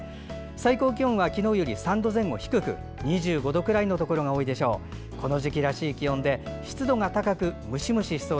最高気温は昨日より３度前後低く２５度くらいのところが多いでしょう。